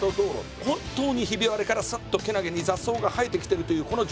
本当にひび割れからすっとけなげに雑草が生えてきてるというこの状態。